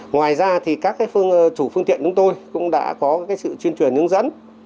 ngoài ra thì các chủ phương tiện chúng tôi cũng đã có sự chuyên truyền hướng dẫn